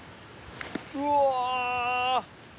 うわ。